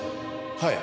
はい。